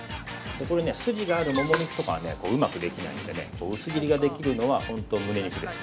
これね、スジがあるもも肉とかはうまくできないのでね、薄切りができるのは本当むね肉です。